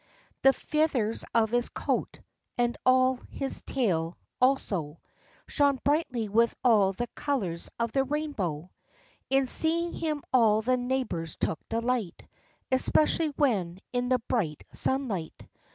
The feathers of his coat, and of his tail, also, Shone brightly with all the colors of the rainbow. In seeing him all the neighbors took delight, Especially when, in the bright sun light.